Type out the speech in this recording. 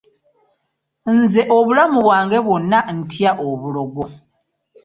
Nze obulamu bwange bwonna ntya olubugo.